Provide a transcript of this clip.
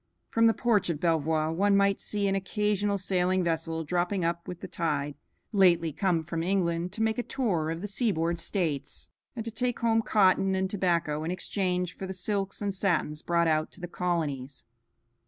From the porch of Belvoir one might see an occasional sailing vessel dropping up with the tide, lately come from England to make a tour of the seaboard states, and to take home cotton and tobacco in exchange for the silks and satins brought out to the colonies.